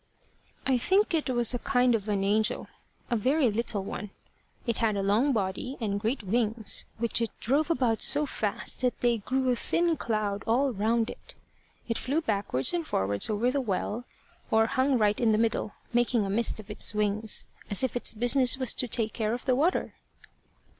"I think it was a kind of an angel a very little one. It had a long body and great wings, which it drove about it so fast that they grew a thin cloud all round it. It flew backwards and forwards over the well, or hung right in the middle, making a mist of its wings, as if its business was to take care of the water."